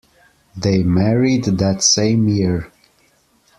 They married that same year.